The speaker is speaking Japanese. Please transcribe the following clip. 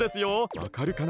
わかるかな？